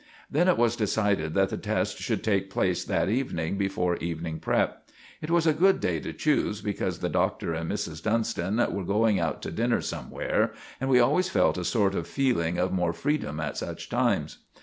Then it was decided that the test should take place that evening before evening prep. It was a good day to choose, because the Doctor and Mrs. Dunstan were going out to dinner somewhere, and we always felt a sort of feeling of more freedom at such times.